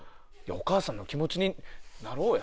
お母さんの気持ちになろうや。